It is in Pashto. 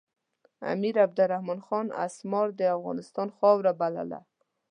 امیر عبدالرحمن خان اسمار د افغانستان خاوره بلله.